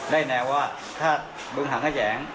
เบอร์บาเช่ขึ้นครับ